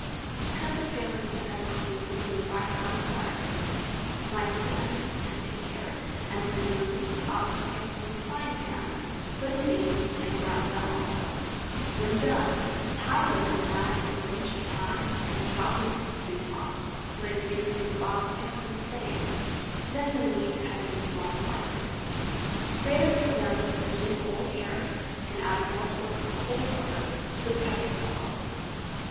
Cut the tail into several pieces and fry brown in butter. Slice the onions and two carrots, and when you remove the ox tail from the frying pan, put in these and brown them also. When done, tie them in a bag with a bunch of thyme and drop into the soup pot. Lay the pieces of ox tail in the same; then the meat cut into small slices. Grate over them the two whole carrots, and add four quarts of cold water, with pepper and salt.